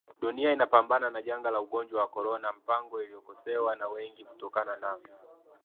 dunia inapambana na janga la ugonjwa wa Corona Mpango alikosolewa na wengi kutokana na